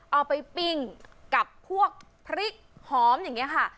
เอาไปปิ้งกับพวกพริกหอมอย่างนี้ค่ะ